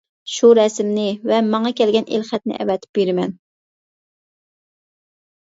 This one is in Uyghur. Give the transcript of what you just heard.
شۇ رەسىمنى، ۋە ماڭا كەلگەن ئېلخەتنى ئەۋەتىپ بېرىمەن.